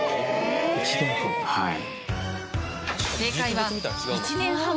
はい。